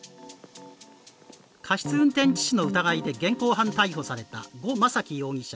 過失運転致死の疑いで現行犯逮捕された呉昌樹容疑者